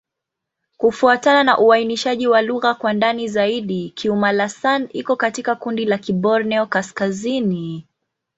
Kufuatana na uainishaji wa lugha kwa ndani zaidi, Kiuma'-Lasan iko katika kundi la Kiborneo-Kaskazini.